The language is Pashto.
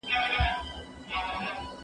زه سیر کړی دی!.